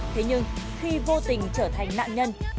thế nhưng khi vô tình trở thành nạn nhân